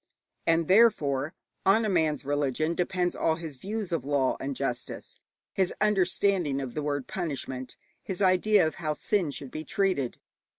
And therefore on a man's religion depends all his views of law and justice, his understanding of the word 'punishment,' his idea of how sin should be treated.